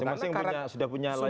masing masing sudah punya layar